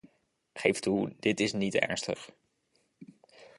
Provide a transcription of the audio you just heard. Geef toe: dit is niet ernstig.